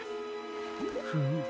フム。